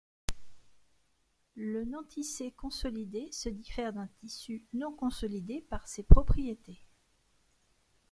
Le non-tissé consolidé se diffère d'un tissu non consolidé par ses propriétés.